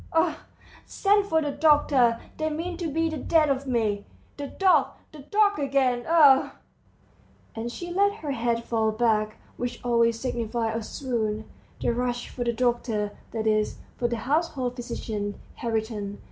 ... Oh, send for the doctor. They mean to be the death of me. ... The dog, the dog again! Oh!" And she let her head fall back, which always signified a swoon. They rushed for the doctor, that is, for the household physician, Hariton.